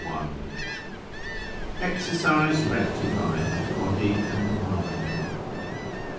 IV. Exercise rectified of Body and Mind.